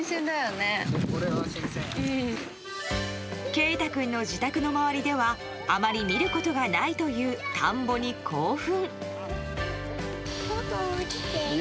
景太君の自宅の周りではあまり見ることがないという田んぼに興奮。